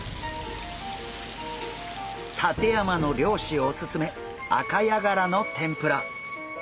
館山の漁師おすすめアカヤガラの天ぷら！